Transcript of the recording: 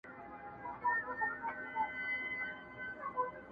نجلۍ نوم کله کله يادېږي تل.